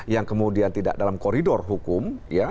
yang kemudian tidak dalam koridor hukum